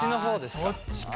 そっちか。